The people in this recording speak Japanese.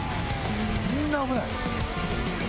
みんな危ない。